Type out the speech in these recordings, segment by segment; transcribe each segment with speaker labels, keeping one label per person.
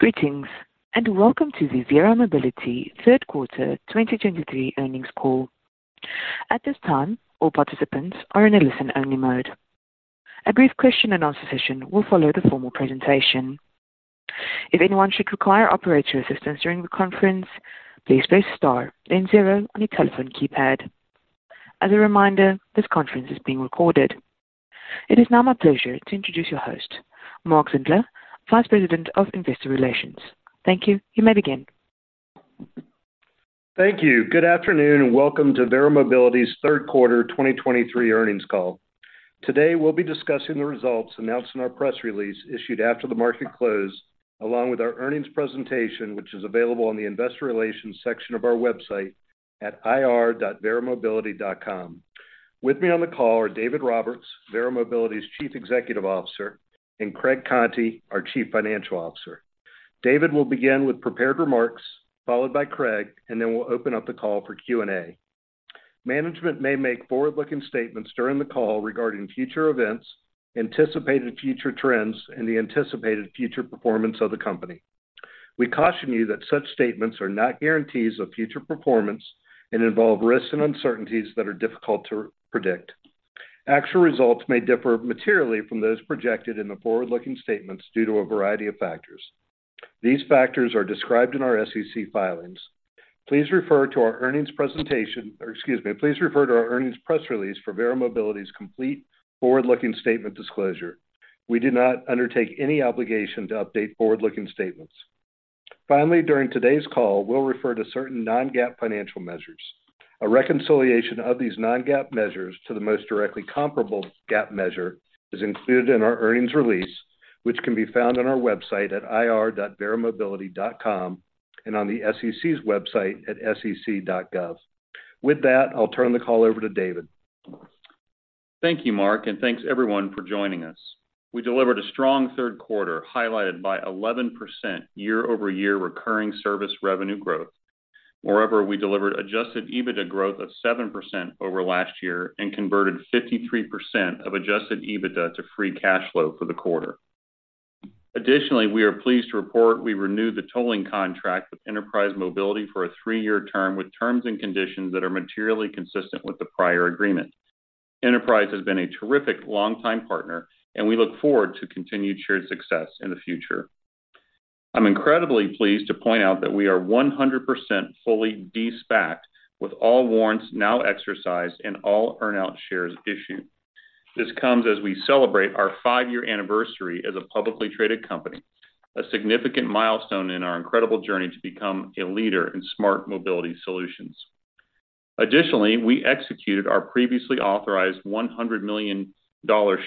Speaker 1: Greetings, and welcome to the Verra Mobility Third Quarter 2023 Earnings Call. At this time, all participants are in a listen-only mode. A brief question-and-answer session will follow the formal presentation. If anyone should require operator assistance during the conference, please press star, then zero on your telephone keypad. As a reminder, this conference is being recorded. It is now my pleasure to introduce your host, Mark Zindler, Vice President of Investor Relations. Thank you. You may begin.
Speaker 2: Thank you. Good afternoon, and welcome to Verra Mobility's Third Quarter 2023 Earnings Call. Today, we'll be discussing the results announced in our press release, issued after the market closed, along with our earnings presentation, which is available on the investor relations section of our website at ir.verramobility.com. With me on the call are David Roberts, Verra Mobility's Chief Executive Officer, and Craig Conti, our Chief Financial Officer. David will begin with prepared remarks, followed by Craig, and then we'll open up the call for Q&A. Management may make forward-looking statements during the call regarding future events, anticipated future trends, and the anticipated future performance of the company. We caution you that such statements are not guarantees of future performance and involve risks and uncertainties that are difficult to predict. Actual results may differ materially from those projected in the forward-looking statements due to a variety of factors. These factors are described in our SEC filings. Please refer to our earnings presentation, or excuse me, please refer to our earnings press release for Verra Mobility's complete forward-looking statement disclosure. We do not undertake any obligation to update forward-looking statements. Finally, during today's call, we'll refer to certain non-GAAP financial measures. A reconciliation of these non-GAAP measures to the most directly comparable GAAP measure is included in our earnings release, which can be found on our website at ir.verramobility.com and on the SEC's website at sec.gov. With that, I'll turn the call over to David.
Speaker 3: Thank you, Mark, and thanks everyone for joining us. We delivered a strong third quarter, highlighted by 11% year-over-year recurring service revenue growth. Moreover, we delivered Adjusted EBITDA growth of 7% over last year and converted 53% of Adjusted EBITDA to Free Cash Flow for the quarter. Additionally, we are pleased to report we renewed the tolling contract with Enterprise Mobility for a 3-year term, with terms and conditions that are materially consistent with the prior agreement. Enterprise has been a terrific long-time partner, and we look forward to continued shared success in the future. I'm incredibly pleased to point out that we are 100% fully De-SPACed, with all warrants now exercised and all earn-out shares issued. This comes as we celebrate our 5-year anniversary as a publicly traded company, a significant milestone in our incredible journey to become a leader in smart mobility solutions. Additionally, we executed our previously authorized $100 million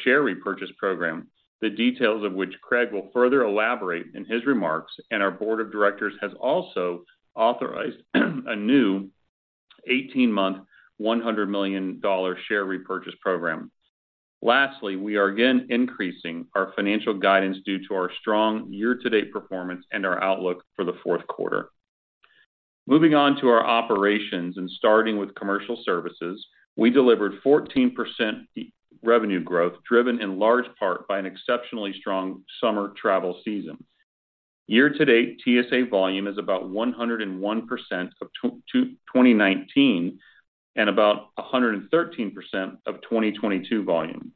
Speaker 3: share repurchase program, the details of which Craig will further elaborate in his remarks, and our board of directors has also authorized a new eighteen-month, $100 million share repurchase program. Lastly, we are again increasing our financial guidance due to our strong year-to-date performance and our outlook for the fourth quarter. Moving on to our operations and starting with commercial services, we delivered 14% revenue growth, driven in large part by an exceptionally strong summer travel season. Year to date, TSA volume is about 101% of 2019, and about 113% of 2022 volume.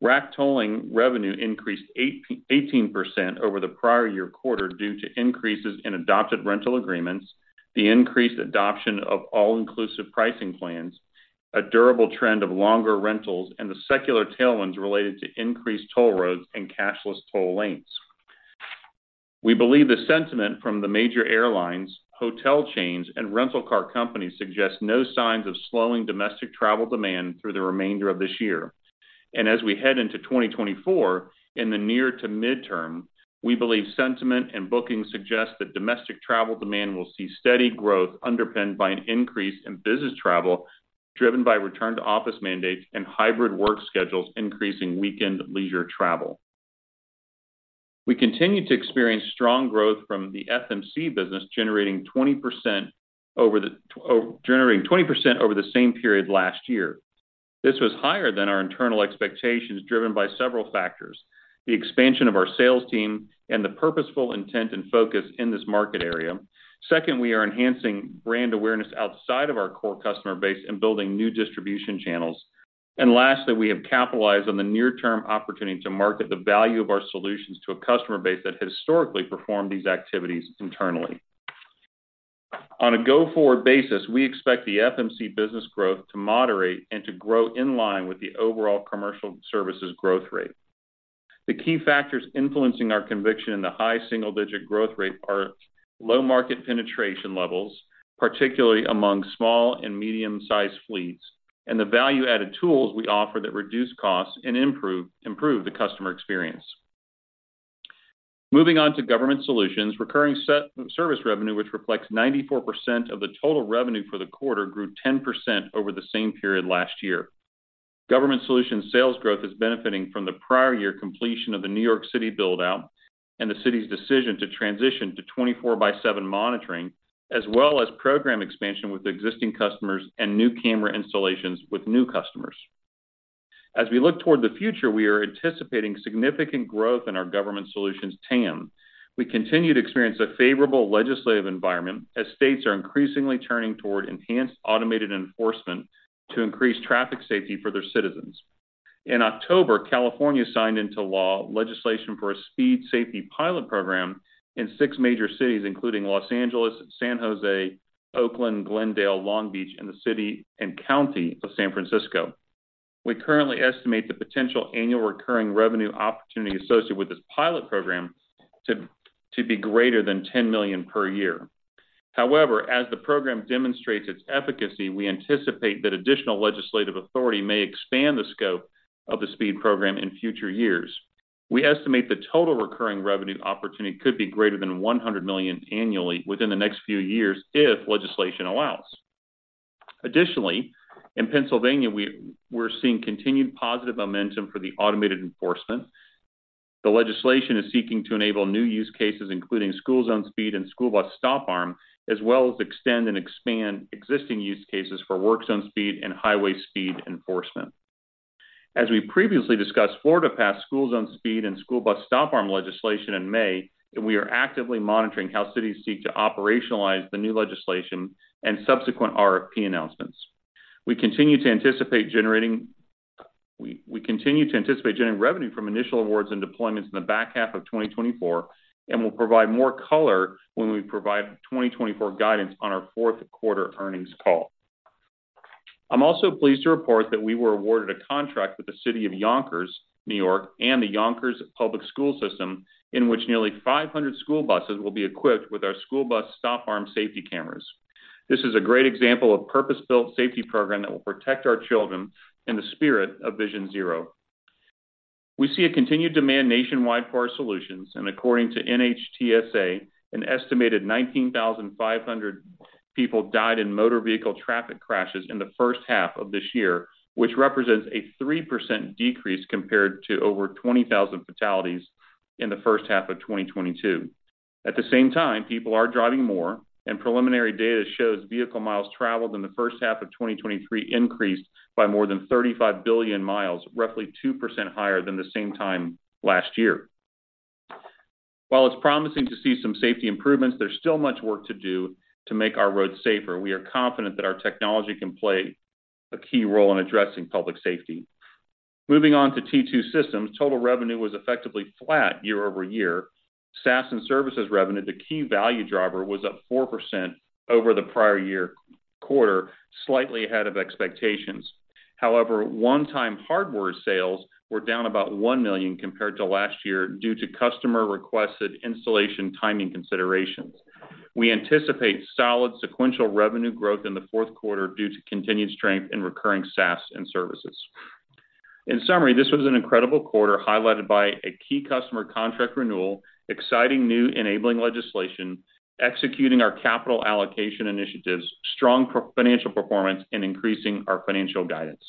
Speaker 3: RAC tolling revenue increased 18% over the prior year quarter due to increases in adopted rental agreements, the increased adoption of All-Inclusive Pricing Plans, a durable trend of longer rentals, and the secular tailwinds related to increased toll roads and cashless toll lanes. We believe the sentiment from the major airlines, hotel chains, and rental car companies suggests no signs of slowing domestic travel demand through the remainder of this year. And as we head into 2024, in the near to midterm, we believe sentiment and bookings suggest that domestic travel demand will see steady growth underpinned by an increase in business travel, driven by return-to-office mandates and hybrid work schedules, increasing weekend leisure travel. We continue to experience strong growth from the FMC business, generating 20% over the same period last year. This was higher than our internal expectations, driven by several factors: the expansion of our sales team and the purposeful intent and focus in this market area. Second, we are enhancing brand awareness outside of our core customer base and building new distribution channels. And lastly, we have capitalized on the near-term opportunity to market the value of our solutions to a customer base that historically performed these activities internally. On a go-forward basis, we expect the FMC business growth to moderate and to grow in line with the overall commercial services growth rate. The key factors influencing our conviction in the high single-digit growth rate are low market penetration levels, particularly among small and medium-sized fleets, and the value-added tools we offer that reduce costs and improve the customer experience. Moving on to government solutions, recurring service revenue, which reflects 94% of the total revenue for the quarter, grew 10% over the same period last year. Government solutions sales growth is benefiting from the prior year completion of the New York City build-out and the city's decision to transition to 24/7 monitoring, as well as program expansion with existing customers and new camera installations with new customers. As we look toward the future, we are anticipating significant growth in our government solutions TAM. We continue to experience a favorable legislative environment, as states are increasingly turning toward enhanced automated enforcement to increase traffic safety for their citizens. In October, California signed into law legislation for a speed safety pilot program in six major cities, including Los Angeles, San Jose, Oakland, Glendale, Long Beach, and the City and County of San Francisco. We currently estimate the potential annual recurring revenue opportunity associated with this pilot program to be greater than $10 million per year. However, as the program demonstrates its efficacy, we anticipate that additional legislative authority may expand the scope of the speed program in future years. We estimate the total recurring revenue opportunity could be greater than $100 million annually within the next few years, if legislation allows. Additionally, in Pennsylvania, we're seeing continued positive momentum for the automated enforcement. The legislation is seeking to enable new use cases, including school zone speed and school bus stop arm, as well as extend and expand existing use cases for work zone speed and highway speed enforcement. As we previously discussed, Florida passed school zone speed and school bus stop arm legislation in May, and we are actively monitoring how cities seek to operationalize the new legislation and subsequent RFP announcements. We continue to anticipate generating revenue from initial awards and deployments in the back half of 2024, and we'll provide more color when we provide 2024 guidance on our fourth quarter earnings call. I'm also pleased to report that we were awarded a contract with the City of Yonkers, New York, and the Yonkers Public School System, in which nearly 500 school buses will be equipped with our school bus stop arm safety cameras. This is a great example of purpose-built safety program that will protect our children in the spirit of Vision Zero. We see a continued demand nationwide for our solutions, and according to NHTSA, an estimated 19,500 people died in motor vehicle traffic crashes in the first half of this year, which represents a 3% decrease compared to over 20,000 fatalities in the first half of 2022. At the same time, people are driving more, and preliminary data shows vehicle miles traveled in the first half of 2023 increased by more than 35 billion miles, roughly 2% higher than the same time last year. While it's promising to see some safety improvements, there's still much work to do to make our roads safer. We are confident that our technology can play a key role in addressing public safety. Moving on to T2 Systems, total revenue was effectively flat year-over-year. SaaS and services revenue, the key value driver, was up 4% over the prior year quarter, slightly ahead of expectations. However, one-time hardware sales were down about $1 million compared to last year due to customer-requested installation timing considerations. We anticipate solid sequential revenue growth in the fourth quarter due to continued strength in recurring SaaS and services. In summary, this was an incredible quarter, highlighted by a key customer contract renewal, exciting new enabling legislation, executing our capital allocation initiatives, strong pro forma financial performance, and increasing our financial guidance.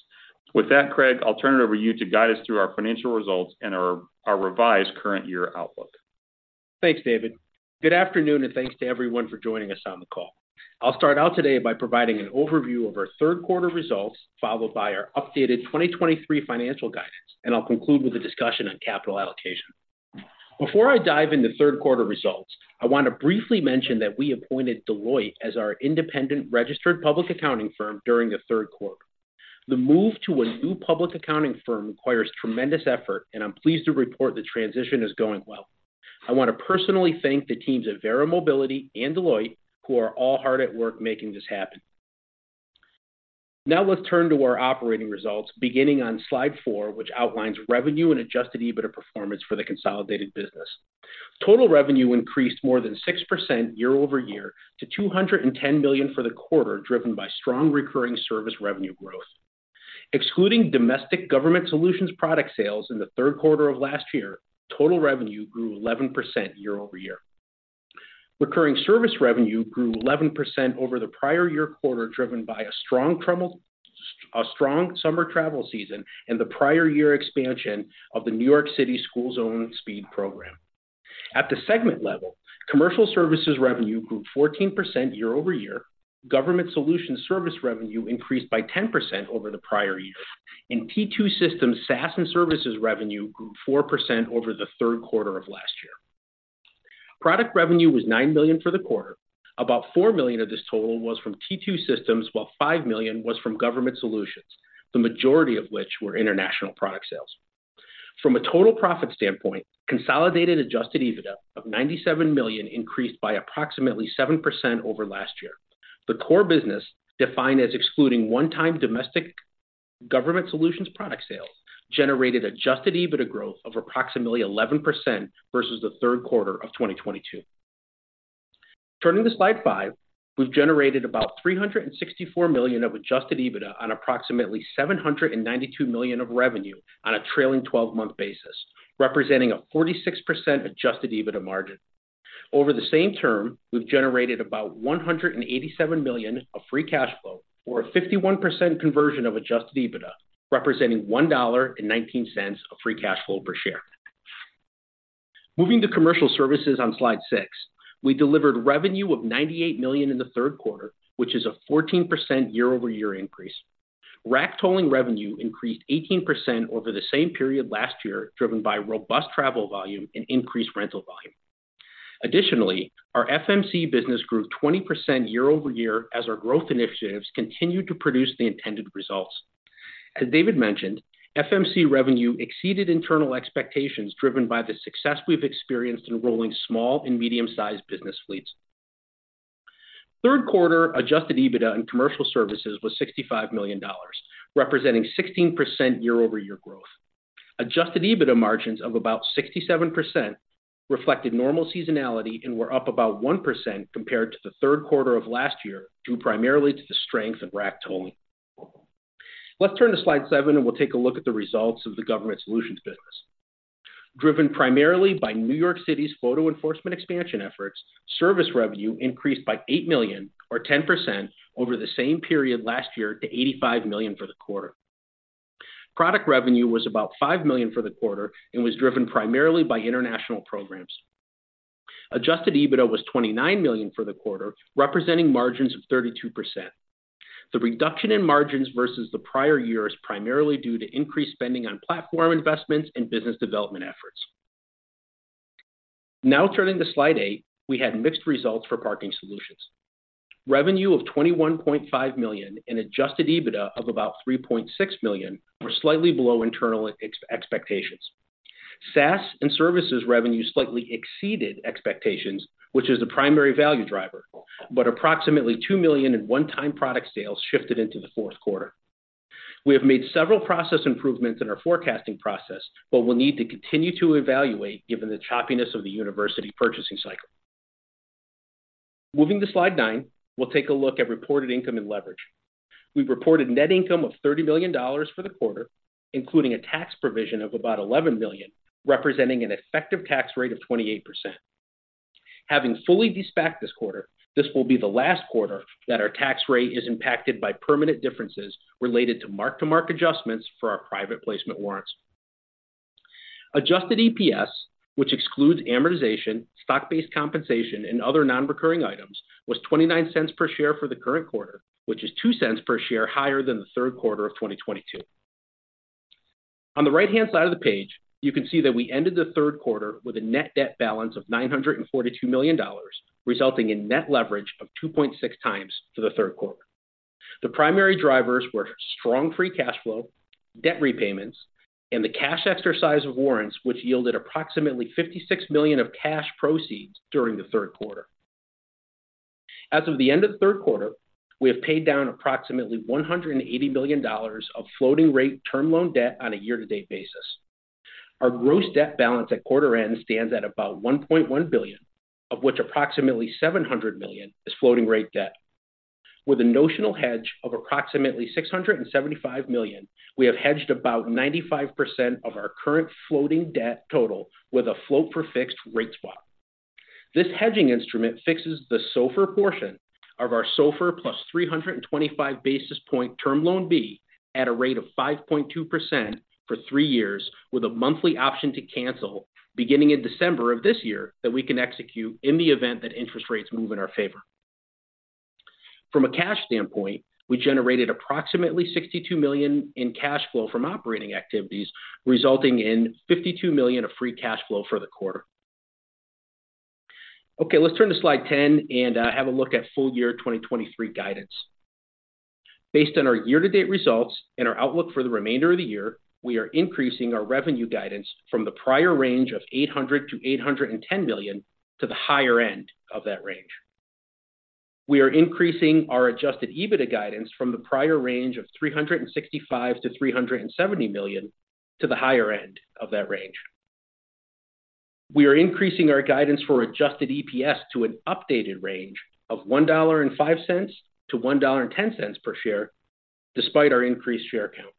Speaker 3: With that, Craig, I'll turn it over to you to guide us through our financial results and our revised current year outlook.
Speaker 4: Thanks, David. Good afternoon, and thanks to everyone for joining us on the call. I'll start out today by providing an overview of our third quarter results, followed by our updated 2023 financial guidance, and I'll conclude with a discussion on capital allocation. Before I dive into third quarter results, I want to briefly mention that we appointed Deloitte as our independent registered public accounting firm during the third quarter. The move to a new public accounting firm requires tremendous effort, and I'm pleased to report the transition is going well. I want to personally thank the teams at Verra Mobility and Deloitte, who are all hard at work making this happen. Now let's turn to our operating results, beginning on slide four, which outlines revenue and Adjusted EBITDA performance for the consolidated business. Total revenue increased more than 6% year-over-year to $210 million for the quarter, driven by strong recurring service revenue growth. Excluding domestic government solutions product sales in the third quarter of last year, total revenue grew 11% year-over-year. Recurring service revenue grew 11% over the prior-year quarter, driven by a strong summer travel season and the prior-year expansion of the New York City school zone speed program. At the segment level, commercial services revenue grew 14% year-over-year, government solutions service revenue increased by 10% over the prior year, and T2 Systems SaaS and services revenue grew 4% over the third quarter of last year. Product revenue was $9 million for the quarter. About $4 million of this total was from T2 Systems, while $5 million was from Government Solutions, the majority of which were international product sales. From a total profit standpoint, consolidated Adjusted EBITDA of $97 million increased by approximately 7% over last year. The core business, defined as excluding one-time domestic government solutions product sales, generated Adjusted EBITDA growth of approximately 11% versus the third quarter of 2022. Turning to slide five, we've generated about $364 million of Adjusted EBITDA on approximately $792 million of revenue on a trailing 12-month basis, representing a 46% Adjusted EBITDA margin. Over the same term, we've generated about $187 million of free cash flow or a 51% conversion of Adjusted EBITDA, representing $1.19 of free cash flow per share.... Moving to Commercial Services on slide six. We delivered revenue of $98 million in the third quarter, which is a 14% year-over-year increase. RAC Tolling revenue increased 18% over the same period last year, driven by robust travel volume and increased rental volume. Additionally, our FMC business grew 20% year-over-year as our growth initiatives continued to produce the intended results. As David mentioned, FMC revenue exceeded internal expectations, driven by the success we've experienced in rolling small and medium-sized business fleets. Third quarter adjusted EBITDA in commercial services was $65 million, representing 16% year-over-year growth. Adjusted EBITDA margins of about 67% reflected normal seasonality and were up about 1% compared to the third quarter of last year, due primarily to the strength of RAC Tolling. Let's turn to slide seven, and we'll take a look at the results of the Government Solutions business. Driven primarily by New York City's photo enforcement expansion efforts, service revenue increased by $8 million or 10% over the same period last year to $85 million for the quarter. Product revenue was about $5 million for the quarter and was driven primarily by international programs. Adjusted EBITDA was $29 million for the quarter, representing margins of 32%. The reduction in margins versus the prior year is primarily due to increased spending on platform investments and business development efforts. Now turning to slide eight, we had mixed results for Parking Solutions. Revenue of $21.5 million and adjusted EBITDA of about $3.6 million were slightly below internal expectations. SaaS and services revenue slightly exceeded expectations, which is the primary value driver, but approximately $2 million in one-time product sales shifted into the fourth quarter. We have made several process improvements in our forecasting process, but we'll need to continue to evaluate given the choppiness of the university purchasing cycle. Moving to slide nine, we'll take a look at reported income and leverage. We've reported net income of $30 million for the quarter, including a tax provision of about $11 million, representing an effective tax rate of 28%. Having fully de-SPACed this quarter, this will be the last quarter that our tax rate is impacted by permanent differences related to mark-to-market adjustments for our private placement warrants. Adjusted EPS, which excludes amortization, stock-based compensation, and other non-recurring items, was $0.29 per share for the current quarter, which is $0.02 per share higher than the third quarter of 2022. On the right-hand side of the page, you can see that we ended the third quarter with a net debt balance of $942 million, resulting in net leverage of 2.6 times for the third quarter. The primary drivers were strong free cash flow, debt repayments, and the cash exercise of warrants, which yielded approximately $56 million of cash proceeds during the third quarter. As of the end of the third quarter, we have paid down approximately $180 million of floating rate term loan debt on a year-to-date basis. Our gross debt balance at quarter end stands at about $1.1 billion, of which approximately $700 million is floating rate debt. With a notional hedge of approximately $675 million, we have hedged about 95% of our current floating debt total with a float for fixed rate swap. This hedging instrument fixes the SOFR portion of our SOFR plus 325 basis points Term Loan B at a rate of 5.2% for three years, with a monthly option to cancel beginning in December of this year, that we can execute in the event that interest rates move in our favor. From a cash standpoint, we generated approximately $62 million in cash flow from operating activities, resulting in $52 million of free cash flow for the quarter. Okay, let's turn to slide 10 and have a look at full-year 2023 guidance. Based on our year-to-date results and our outlook for the remainder of the year, we are increasing our revenue guidance from the prior range of $800 million to $810 million to the higher end of that range. We are increasing our Adjusted EBITDA guidance from the prior range of $365 million to $370 million to the higher end of that range. We are increasing our guidance for Adjusted EPS to an updated range of $1.05-$1.10 per share, despite our increased share count.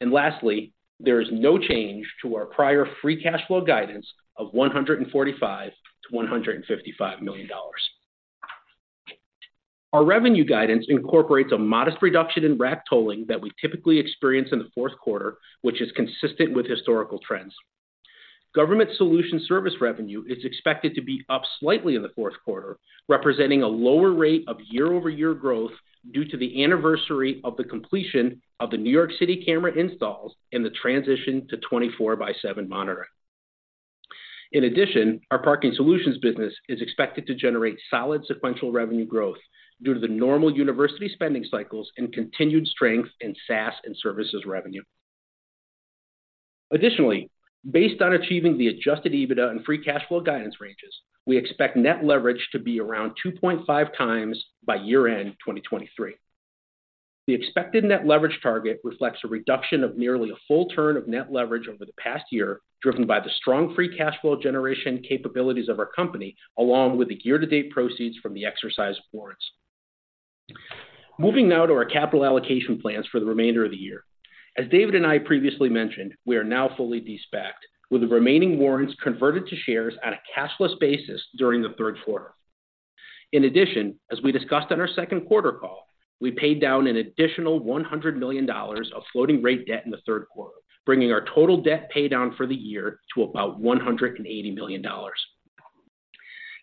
Speaker 4: And lastly, there is no change to our prior Free Cash Flow guidance of $145 million to $155 million. Our revenue guidance incorporates a modest reduction in RAC tolling that we typically experience in the fourth quarter, which is consistent with historical trends. Government Solutions service revenue is expected to be up slightly in the fourth quarter, representing a lower rate of year-over-year growth due to the anniversary of the completion of the New York City camera installs and the transition to 24/7 monitoring. In addition, our Parking Solutions business is expected to generate solid sequential revenue growth due to the normal university spending cycles and continued strength in SaaS and services revenue. Additionally, based on achieving the Adjusted EBITDA and Free Cash Flow guidance ranges, we expect Net Leverage to be around 2.5 times by year-end 2023. The expected Net Leverage target reflects a reduction of nearly a full turn of Net Leverage over the past year, driven by the strong Free Cash Flow generation capabilities of our company, along with the year-to-date proceeds from the exercise of warrants. Moving now to our capital allocation plans for the remainder of the year. As David and I previously mentioned, we are now fully de-SPACed, with the remaining warrants converted to shares on a cashless basis during the third quarter. In addition, as we discussed on our second quarter call, we paid down an additional $100 million of floating rate debt in the third quarter, bringing our total debt paydown for the year to about $180 million.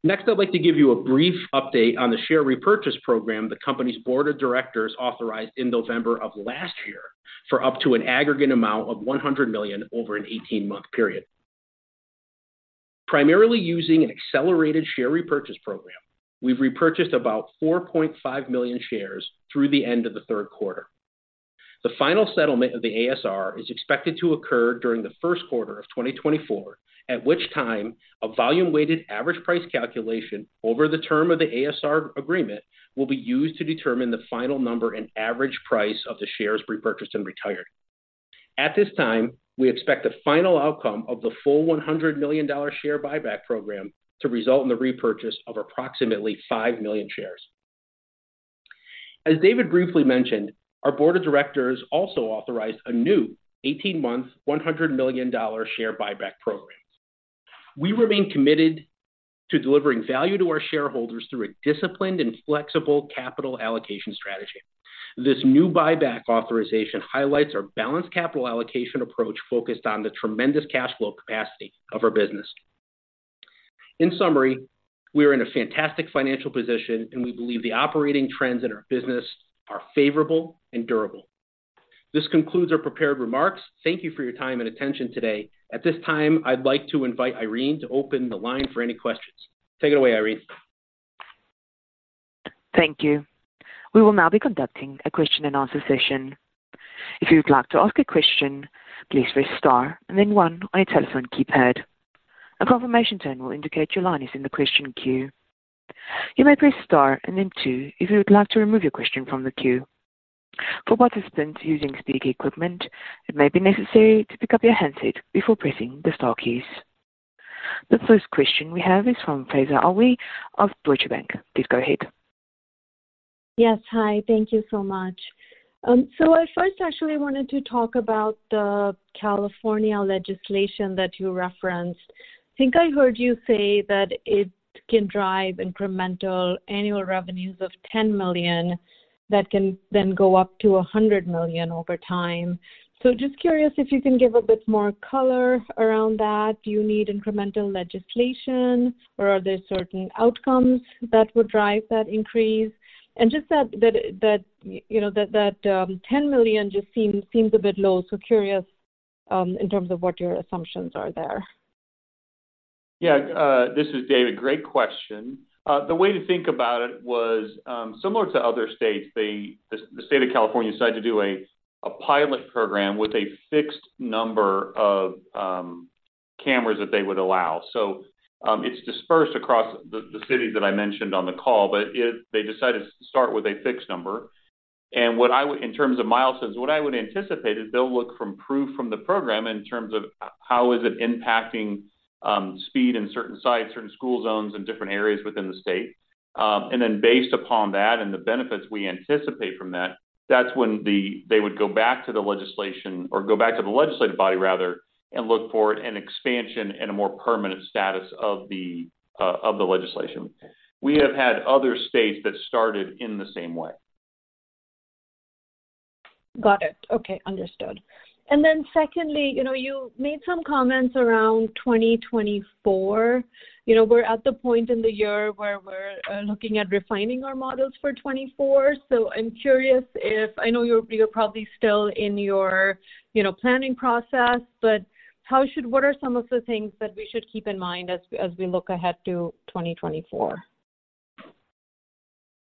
Speaker 4: Next, I'd like to give you a brief update on the share repurchase program the company's board of directors authorized in November of last year for up to an aggregate amount of $100 million over an 18-month period. Primarily using an accelerated share repurchase program, we've repurchased about 4.5 million shares through the end of the third quarter. The final settlement of the ASR is expected to occur during the first quarter of 2024, at which time a volume-weighted average price calculation over the term of the ASR agreement will be used to determine the final number and average price of the shares repurchased and retired. At this time, we expect the final outcome of the full $100 million share buyback program to result in the repurchase of approximately 5 million shares. As David briefly mentioned, our board of directors also authorized a new 18-month, $100 million share buyback program. We remain committed to delivering value to our shareholders through a disciplined and flexible capital allocation strategy. This new buyback authorization highlights our balanced capital allocation approach, focused on the tremendous cash flow capacity of our business. In summary, we are in a fantastic financial position, and we believe the operating trends in our business are favorable and durable. This concludes our prepared remarks. Thank you for your time and attention today. At this time, I'd like to invite Irene to open the line for any questions. Take it away, Irene.
Speaker 1: Thank you. We will now be conducting a question-and-answer session. If you would like to ask a question, please press Star and then one on your telephone keypad. A confirmation tone will indicate your line is in the question queue. You may press Star and then two if you would like to remove your question from the queue. For participants using speaker equipment, it may be necessary to pick up your handset before pressing the star keys. The first question we have is from Faiza Alwy of Deutsche Bank. Please go ahead.
Speaker 5: Yes. Hi, thank you so much. So I first actually wanted to talk about the California legislation that you referenced. I think I heard you say that it can drive incremental annual revenues of $10 million, that can then go up to $100 million over time. So just curious if you can give a bit more color around that. Do you need incremental legislation, or are there certain outcomes that would drive that increase? And just that, you know, $10 million just seems a bit low. So curious in terms of what your assumptions are there.
Speaker 3: Yeah, this is David. Great question. The way to think about it was, similar to other states, the state of California decided to do a pilot program with a fixed number of cameras that they would allow. So, it's dispersed across the cities that I mentioned on the call, but it they decided to start with a fixed number. And what I would in terms of milestones, what I would anticipate is they'll look for proof from the program in terms of how is it impacting, speed in certain sites, certain school zones, and different areas within the state. And then based upon that and the benefits we anticipate from that, that's when they would go back to the legislation or go back to the legislative body rather, and look for an expansion and a more permanent status of the, of the legislation. We have had other states that started in the same way.
Speaker 5: Got it. Okay, understood. And then secondly, you know, you made some comments around 2024. You know, we're at the point in the year where we're looking at refining our models for 2024. So I'm curious if... I know you're probably still in your, you know, planning process, but how should, what are some of the things that we should keep in mind as we look ahead to 2024?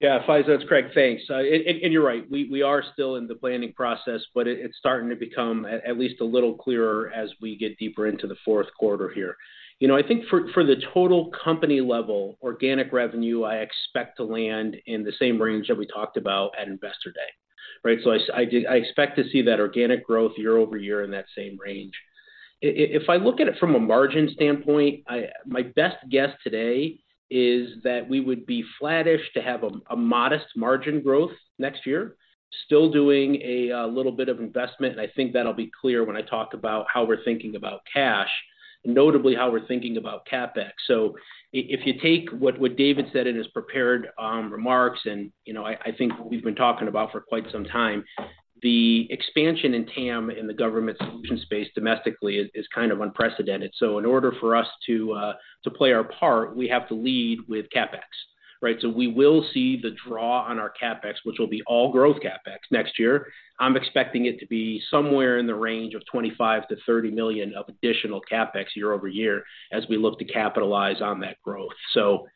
Speaker 4: Yeah, Faiza, that's correct. Thanks. And you're right, we are still in the planning process, but it's starting to become at least a little clearer as we get deeper into the fourth quarter here. You know, I think for the total company level, organic revenue, I expect to land in the same range that we talked about at Investor Day, right? So I expect to see that organic growth year-over-year in that same range. If I look at it from a margin standpoint, my best guess today is that we would be flattish to have a modest margin growth next year. Still doing a little bit of investment, and I think that'll be clear when I talk about how we're thinking about cash, notably how we're thinking about CapEx. So if you take what David said in his prepared remarks, and, you know, I think we've been talking about for quite some time, the expansion in TAM in the government solution space domestically is kind of unprecedented. So in order for us to play our part, we have to lead with CapEx, right? So we will see the draw on our CapEx, which will be all growth CapEx next year. I'm expecting it to be somewhere in the range of $25 million to $30 million of additional CapEx year-over-year as we look to capitalize on that growth. So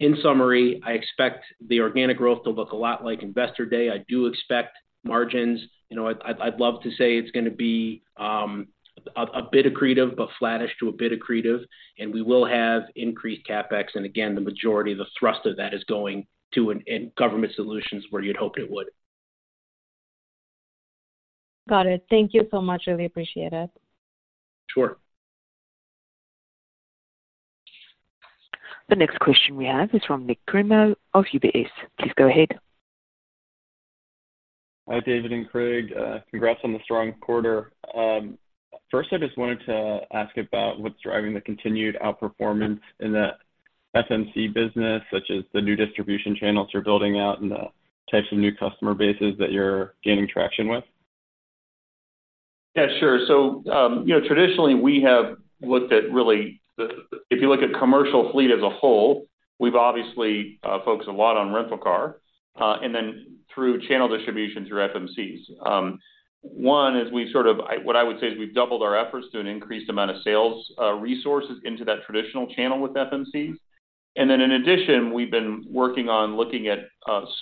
Speaker 4: in summary, I expect the organic growth to look a lot like Investor Day. I do expect margins. You know, I'd love to say it's gonna be a bit accretive, but flattish to a bit accretive, and we will have increased CapEx. And again, the majority of the thrust of that is going to in Government Solutions, where you'd hope it would.
Speaker 5: Got it. Thank you so much. Really appreciate it.
Speaker 4: Sure.
Speaker 1: The next question we have is from Nik Cremo of UBS. Please go ahead.
Speaker 6: Hi, David and Craig, congrats on the strong quarter. First, I just wanted to ask about what's driving the continued outperformance in the FMC business, such as the new distribution channels you're building out and the types of new customer bases that you're gaining traction with?
Speaker 3: Yeah, sure. So, you know, traditionally, we have looked at really the if you look at commercial fleet as a whole, we've obviously focused a lot on rental car, and then through channel distribution through FMCs. One is we sort of what I would say is we've doubled our efforts to an increased amount of sales resources into that traditional channel with FMCs. And then in addition, we've been working on looking at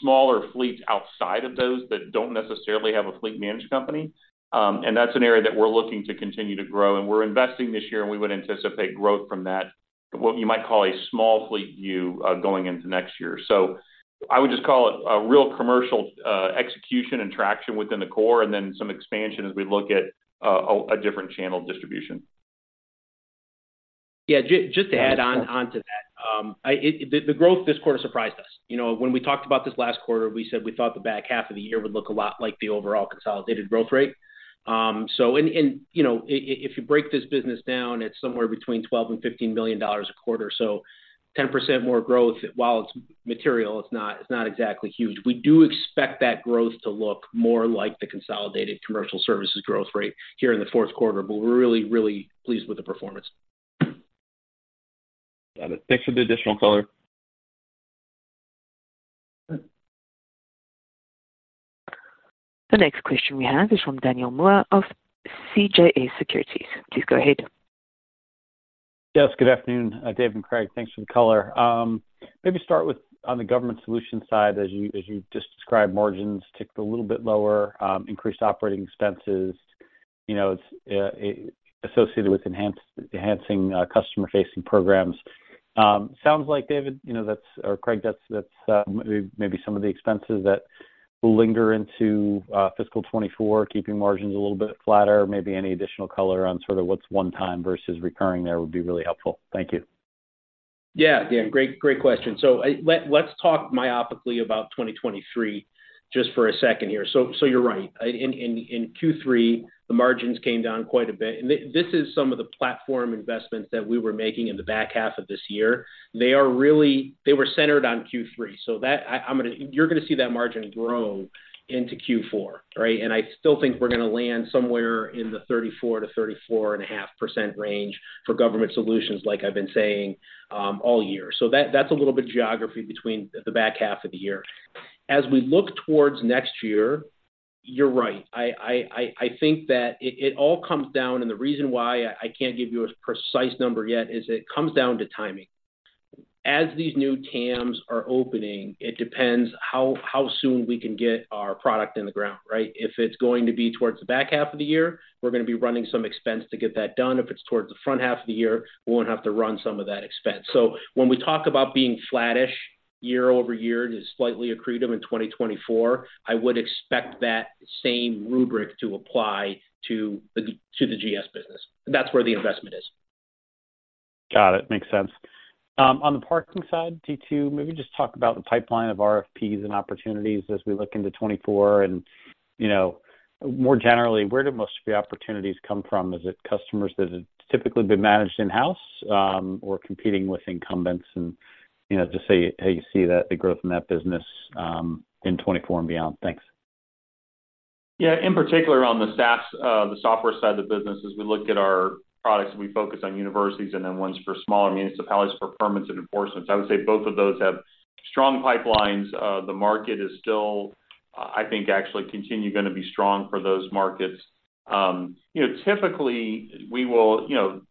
Speaker 3: smaller fleets outside of those that don't necessarily have a fleet management company. And that's an area that we're looking to continue to grow, and we're investing this year, and we would anticipate growth from that, what you might call a small fleet view, going into next year. I would just call it a real commercial execution and traction within the core, and then some expansion as we look at a different channel distribution.
Speaker 4: Yeah, just to add on to that. The growth this quarter surprised us. You know, when we talked about this last quarter, we said we thought the back half of the year would look a lot like the overall consolidated growth rate. So and, you know, if you break this business down, it's somewhere between $12 billion and $15 billion a quarter. So 10% more growth, while it's material, it's not exactly huge. We do expect that growth to look more like the consolidated commercial services growth rate here in the fourth quarter, but we're really, really pleased with the performance.
Speaker 6: Got it. Thanks for the additional color.
Speaker 1: The next question we have is from Daniel Moore of CJS Securities. Please go ahead.
Speaker 7: Yes, good afternoon, Dave and Craig. Thanks for the color. Maybe start with on the government solution side, as you, as you just described, margins ticked a little bit lower, increased operating expenses, you know, it's associated with enhancing, customer-facing programs. Sounds like David, you know, that's or Craig, that's, that's maybe some of the expenses that will linger into, fiscal 2024, keeping margins a little bit flatter. Maybe any additional color on sort of what's one time versus recurring there would be really helpful. Thank you.
Speaker 4: Yeah, Dan, great, great question. So let's talk myopically about 2023 just for a second here. So, so you're right. In Q3, the margins came down quite a bit. And this is some of the platform investments that we were making in the back half of this year. They were centered on Q3, so that you're gonna see that margin grow into Q4, right? And I still think we're gonna land somewhere in the 34%-34.5% range for government solutions, like I've been saying, all year. So that's a little bit geography between the back half of the year. As we look towards next year, you're right. I think that it all comes down, and the reason why I can't give you a precise number yet, is it comes down to timing. As these new TAMs are opening, it depends how soon we can get our product in the ground, right? If it's going to be towards the back half of the year, we're gonna be running some expense to get that done. If it's towards the front half of the year, we won't have to run some of that expense. So when we talk about being flattish year-over-year, just slightly accretive in 2024, I would expect that same rubric to apply to the GS business. That's where the investment is.
Speaker 7: Got it. Makes sense. On the parking side, T2, maybe just talk about the pipeline of RFPs and opportunities as we look into 2024. And, you know, more generally, where do most of the opportunities come from? Is it customers that have typically been managed in-house, or competing with incumbents? And, you know, just say how you see that, the growth in that business, in 2024 and beyond. Thanks.
Speaker 3: Yeah, in particular, on the SaaS, the software side of the business, as we look at our products, we focus on universities and then ones for smaller municipalities for permits and enforcement. I would say both of those have strong pipelines. The market is still, I think, actually continue gonna be strong for those markets. You know, typically, we will you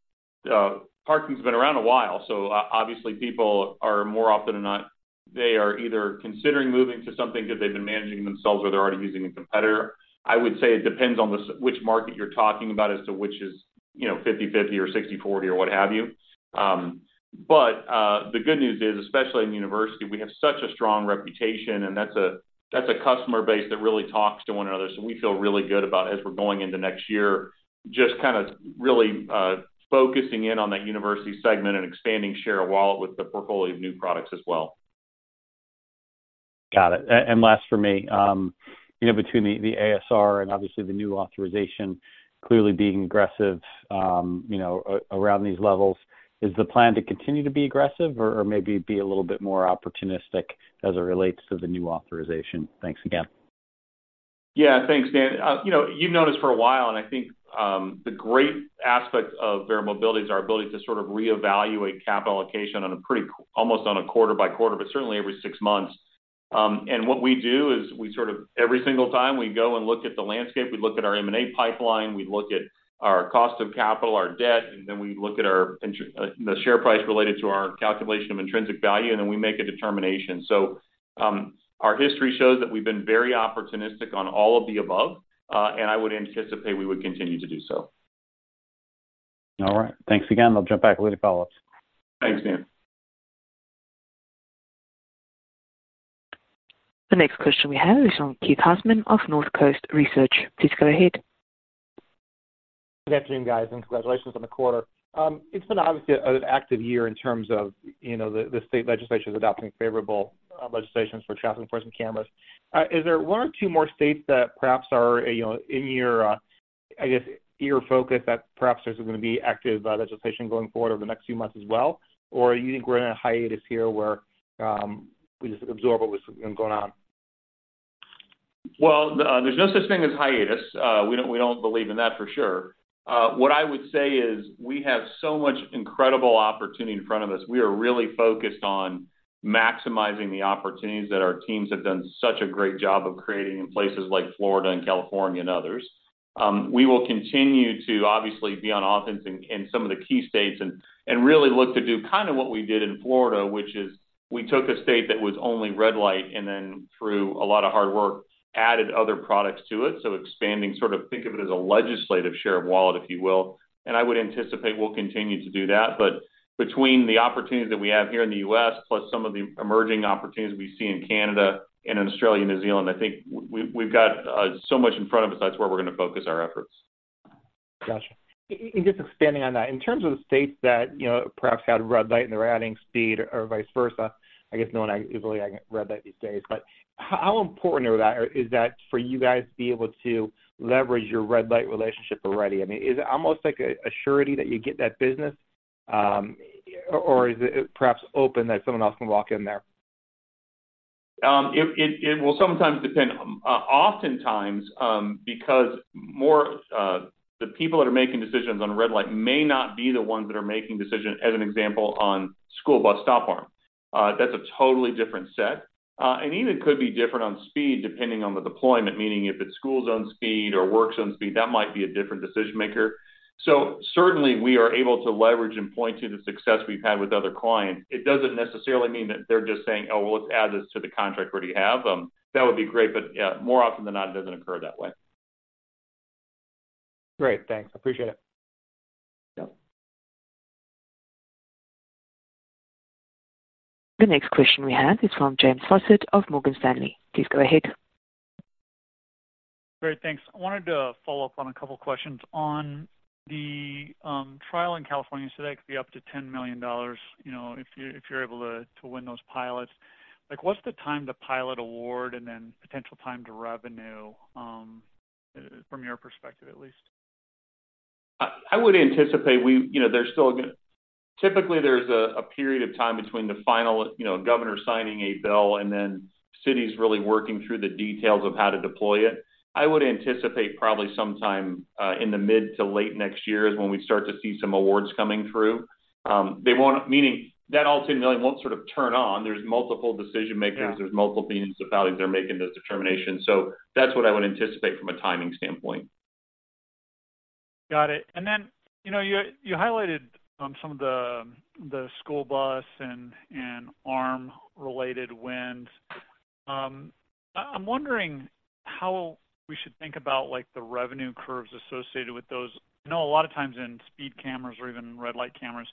Speaker 3: know, parking's been around a while, so obviously, people are more often than not, they are either considering moving to something that they've been managing themselves or they're already using a competitor. I would say it depends on which market you're talking about as to which is, you know, 50/50 or 60/40 or what have you. But, the good news is, especially in university, we have such a strong reputation, and that's a customer base that really talks to one another. So we feel really good about as we're going into next year, just kind of really focusing in on that university segment and expanding share of wallet with the portfolio of new products as well.
Speaker 7: Got it. And last for me, you know, between the ASR and obviously the new authorization, clearly being aggressive, you know, around these levels, is the plan to continue to be aggressive or maybe be a little bit more opportunistic as it relates to the new authorization? Thanks again.
Speaker 3: Yeah. Thanks, Dan. You know, you've noticed for a while, and I think the great aspect of Verra Mobility is our ability to sort of reevaluate capital allocation on a pretty, almost on a quarter by quarter, but certainly every six months. And what we do is we sort of, every single time we go and look at the landscape, we look at our M&A pipeline, we look at our cost of capital, our debt, and then we look at the share price related to our calculation of intrinsic value, and then we make a determination. So, our history shows that we've been very opportunistic on all of the above, and I would anticipate we would continue to do so.
Speaker 7: All right. Thanks again. I'll jump back with any follow-ups.
Speaker 3: Thanks, Dan.
Speaker 1: The next question we have is from Keith Housum of North Coast Research. Please go ahead.
Speaker 8: Good afternoon, guys, and congratulations on the quarter. It's been obviously an active year in terms of, you know, the, the state legislature adopting favorable, legislations for traffic enforcement cameras. Is there one or two more states that perhaps are, you know, in your, I guess, ear focus, that perhaps there's going to be active, legislation going forward over the next few months as well? Or do you think we're in a hiatus here where, we just absorb what was going on?
Speaker 3: Well, there's no such thing as hiatus. We don't, we don't believe in that for sure. What I would say is, we have so much incredible opportunity in front of us. We are really focused on maximizing the opportunities that our teams have done such a great job of creating in places like Florida and California and others. We will continue to obviously be on offense in some of the key states and really look to do kind of what we did in Florida, which is we took a state that was only red light, and then through a lot of hard work, added other products to it. So expanding, sort of think of it as a legislative share of wallet, if you will, and I would anticipate we'll continue to do that. Between the opportunities that we have here in the U.S., plus some of the emerging opportunities we see in Canada and in Australia, New Zealand, I think we, we've got so much in front of us. That's where we're gonna focus our efforts.
Speaker 8: Gotcha. And just expanding on that, in terms of the states that, you know, perhaps had red light, and they're adding speed or vice versa, I guess, no one usually red light these days. But how important is that for you guys to be able to leverage your red light relationship already? I mean, is it almost like a surety that you get that business, or is it perhaps open that someone else can walk in there?
Speaker 3: It will sometimes depend. Oftentimes, because more the people that are making decisions on red light may not be the ones that are making decisions, as an example, on school bus stop arm. That's a totally different set, and even could be different on speed, depending on the deployment. Meaning if it's school zone speed or work zone speed, that might be a different decision maker. So certainly, we are able to leverage and point to the success we've had with other clients. It doesn't necessarily mean that they're just saying, "Oh, well, let's add this to the contract we already have." That would be great, but, more often than not, it doesn't occur that way.
Speaker 8: Great, thanks. I appreciate it.
Speaker 3: Yep.
Speaker 1: The next question we have is from James Faucette of Morgan Stanley. Please go ahead.
Speaker 9: Great, thanks. I wanted to follow up on a couple of questions. On the trial in California, so that could be up to $10 million, you know, if you're able to win those pilots. Like, what's the time to pilot award and then potential time to revenue from your perspective at least?
Speaker 3: I would anticipate we you know, there's still gonna typically, there's a period of time between the final, you know, governor signing a bill and then cities really working through the details of how to deploy it. I would anticipate probably sometime in the mid to late next year is when we start to see some awards coming through. They won't meaning that all $10 million won't sort of turn on. There's multiple decision makers-
Speaker 9: Yeah.
Speaker 3: There's multiple things about their making those determinations. So that's what I would anticipate from a timing standpoint.
Speaker 9: Got it. And then, you know, you highlighted some of the school bus and arm-related wins. I'm wondering how we should think about, like, the revenue curves associated with those. I know a lot of times in speed cameras or even red light cameras,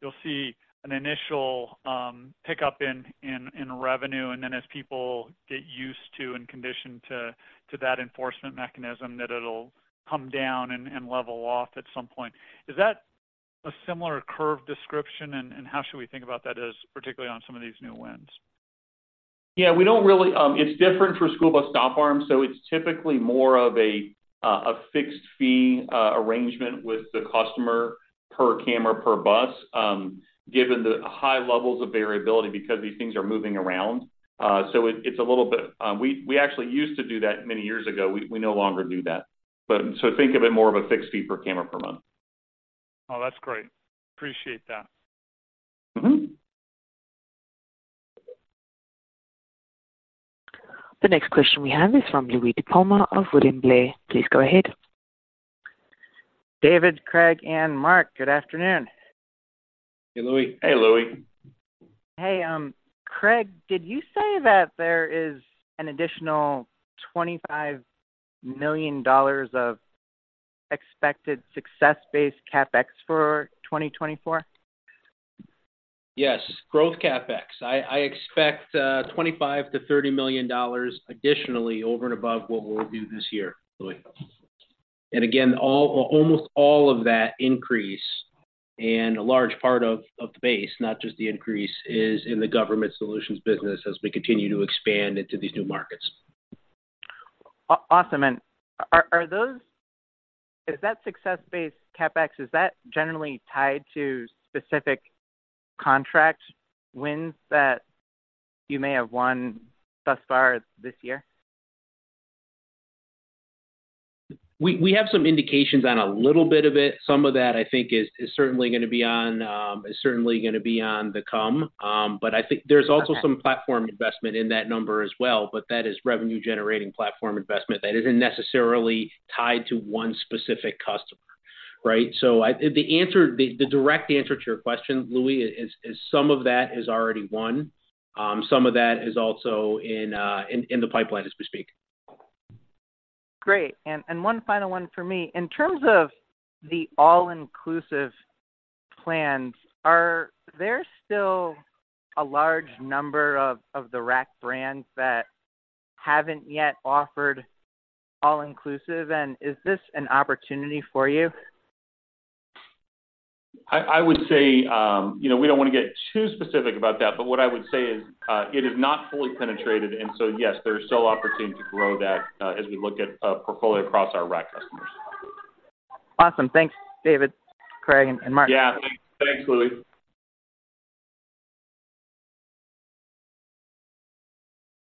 Speaker 9: you'll see an initial pickup in revenue, and then as people get used to and conditioned to that enforcement mechanism, that it'll come down and level off at some point. Is that a similar curve description, and how should we think about that, particularly on some of these new wins?
Speaker 3: Yeah, we don't really. It's different for school bus stop arms, so it's typically more of a fixed fee arrangement with the customer per camera, per bus, given the high levels of variability because these things are moving around. So it, it's a little bit, we actually used to do that many years ago. We no longer do that. But, so think of it more of a fixed fee per camera per month.
Speaker 9: Oh, that's great. Appreciate that.
Speaker 1: The next question we have is from Louie DiPalma of Goldman Sachs. Please go ahead.
Speaker 10: David, Craig, and Mark, good afternoon.
Speaker 4: Hey, Louie.
Speaker 3: Hey, Louie.
Speaker 10: Hey, Craig, did you say that there is an additional $25 million of expected success-based CapEx for 2024?
Speaker 4: Yes, growth CapEx. I, I expect $25 million to $30 million additionally over and above what we'll do this year, Louie. And again, almost all of that increase and a large part of the base, not just the increase, is in the Government Solutions business as we continue to expand into these new markets.
Speaker 10: Awesome. And is that success-based CapEx generally tied to specific contract wins that you may have won thus far this year?
Speaker 4: We have some indications on a little bit of it. Some of that, I think is certainly gonna be on the come. But I think there's also some platform investment in that number as well, but that is revenue-generating platform investment that isn't necessarily tied to one specific customer, right? So the direct answer to your question, Louie, is some of that is already won. Some of that is also in the pipeline as we speak.
Speaker 10: Great. And one final one for me. In terms of the all-inclusive plans. Are there still a large number of the RAC brands that haven't yet offered all-inclusive? And is this an opportunity for you?
Speaker 4: I would say, you know, we don't want to get too specific about that, but what I would say is, it is not fully penetrated, and so, yes, there is still opportunity to grow that, as we look at a portfolio across our RAC customers.
Speaker 10: Awesome. Thanks, David, Craig, and Mark.
Speaker 4: Yeah. Thanks, Louie.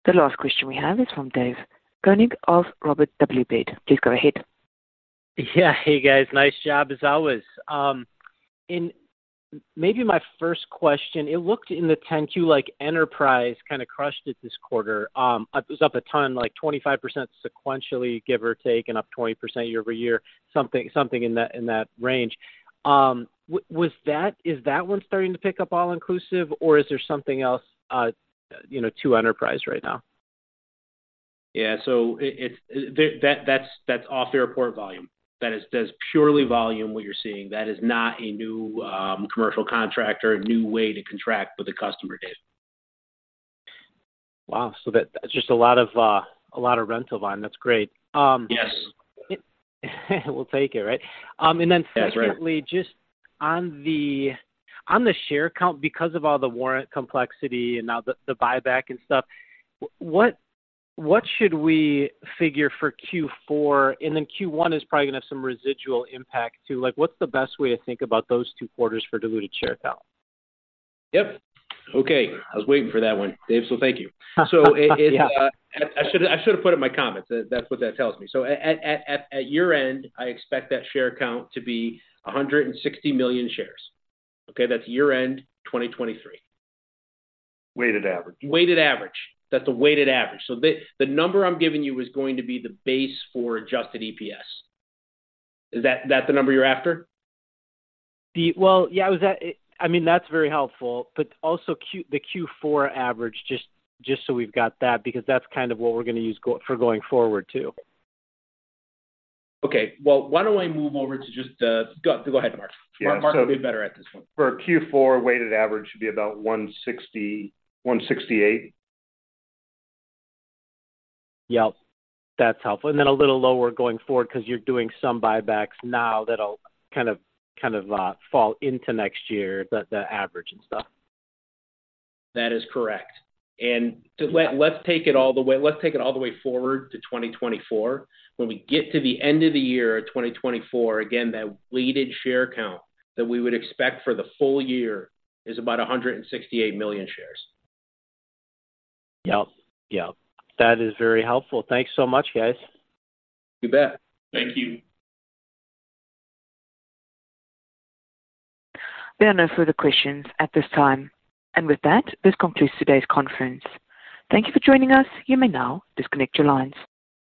Speaker 1: The last question we have is from David Koning of Robert W. Baird. Please go ahead.
Speaker 11: Yeah. Hey, guys, nice job as always. And maybe my first question, it looked in the 10-Q like Enterprise kinda crushed it this quarter. It was up a ton, like 25% sequentially, give or take, and up 20% year-over-year, something, something in that, in that range. Was that is that one starting to pick up all inclusive, or is there something else, you know, to Enterprise right now?
Speaker 4: Yeah. So it's that, that's off-airport volume. That is, that's purely volume, what you're seeing. That is not a new commercial contract or a new way to contract with the customer, Dave.
Speaker 11: Wow! So that, that's just a lot of a lot of rental volume. That's great.
Speaker 4: Yes.
Speaker 11: We'll take it, right? And then
Speaker 4: That's right
Speaker 11: Secondly, just on the share count, because of all the warrant complexity and now the buyback and stuff, what should we figure for Q4? And then Q1 is probably gonna have some residual impact, too. Like, what's the best way to think about those two quarters for diluted share count?
Speaker 4: Yep. Okay. I was waiting for that one, Dave, so thank you.
Speaker 11: Yeah.
Speaker 4: I should have put it in my comments. That's what that tells me. So at year-end, I expect that share count to be 160 million shares, okay? That's year-end 2023.
Speaker 2: Weighted average.
Speaker 4: Weighted average. That's a weighted average. So the number I'm giving you is going to be the base for Adjusted EPS. Is that the number you're after?
Speaker 11: Well, yeah, was that, I mean, that's very helpful, but also the Q4 average, just, just so we've got that, because that's kind of what we're gonna use for going forward, too.
Speaker 4: Okay. Well, why don't I move over to just. Go ahead, Mark.
Speaker 2: Yeah, so
Speaker 4: Mark will be better at this one.
Speaker 2: For Q4, weighted average should be about 160-168.
Speaker 11: Yep, that's helpful. And then a little lower going forward 'cause you're doing some buybacks now that'll kind of fall into next year, the average and stuff.
Speaker 4: That is correct. Let's take it all the way forward to 2024. When we get to the end of the year, 2024, again, that weighted share count that we would expect for the full year is about 168 million shares.
Speaker 11: Yep. Yep. That is very helpful. Thanks so much, guys.
Speaker 4: You bet.
Speaker 2: Thank you.
Speaker 1: There are no further questions at this time. With that, this concludes today's conference. Thank you for joining us. You may now disconnect your lines.